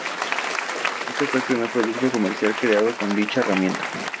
Este fue el primer producto comercial creado con dicha herramienta.